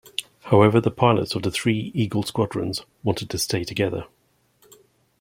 However, the pilots of the three Eagle Squadrons wanted to stay together.